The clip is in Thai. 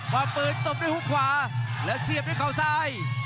วางปืนตบด้วยฮุกขวาและเสียบด้วยเขาซ้าย